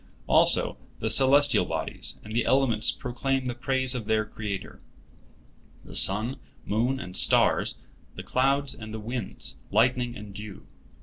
Also the celestial bodies and the elements proclaim the praise of their Creator—the sun, moon, and stars, the clouds and the winds, lightning and dew.